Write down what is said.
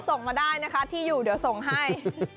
ส่งมาได้นะคะที่อยู่เดี๋ยวส่งให้